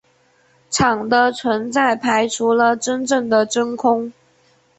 场的存在排除了真正的真空。